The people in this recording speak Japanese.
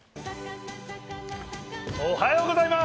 おはようございます！